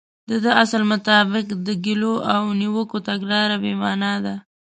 د دې اصل مطابق د ګيلو او نيوکو تګلاره بې معنا ده.